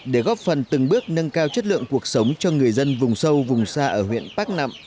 để góp phần từng bước nâng cao chất lượng cuộc sống cho người dân vùng sâu vùng xa ở huyện bắc nẵm